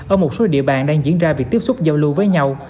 ở một số địa bàn đang diễn ra việc tiếp xúc giao lưu với nhau